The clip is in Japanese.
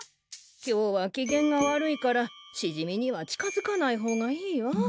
今日は機嫌が悪いからしじみには近づかない方がいいわ。